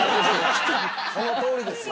◆そのとおりですよ。